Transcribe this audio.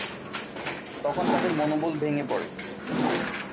তখন তাদের মনোবল ভেঙে পড়ে।